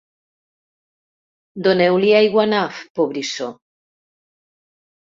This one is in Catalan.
Doneu-li aiguanaf, pobrissó!